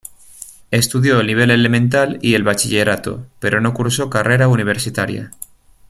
Estudió el nivel elemental y el bachillerato, pero no cursó carrera universitaria.